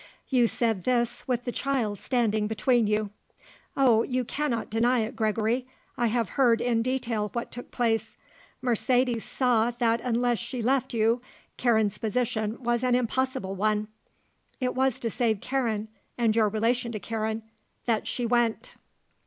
You said this with the child standing between you. Oh, you cannot deny it, Gregory. I have heard in detail what took place. Mercedes saw that unless she left you Karen's position was an impossible one. It was to save Karen and your relation to Karen that she went."